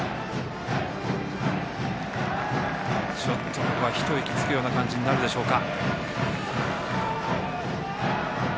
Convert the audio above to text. ちょっと、ここは一息つくような形になるでしょうか。